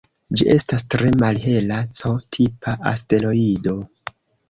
Ĝi estas tre malhela C-tipa asteroido.